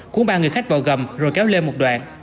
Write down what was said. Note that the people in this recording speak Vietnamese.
cuốn ba người khách vào gầm rồi kéo lên một đoạn